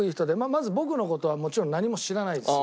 まず僕の事はもちろん何も知らないですよ。